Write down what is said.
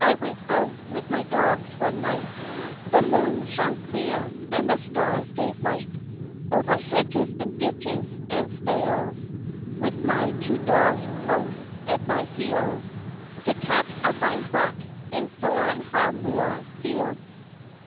I went out with my dogs one night,— The moon shone clear, and the stars gave light; Over hedges and ditches, and steyls With my two dogs close at my heels, To catch a fine buck in Thornehagh Moor fields.